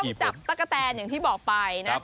จับตะกะแตนอย่างที่บอกไปนะ